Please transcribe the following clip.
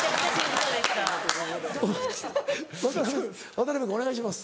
渡君お願いします。